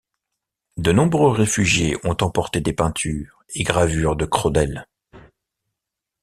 De nombreux réfugiés ont emporté des peintures et gravures de Crodel.